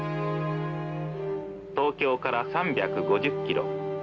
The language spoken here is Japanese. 「東京から３５０キロ。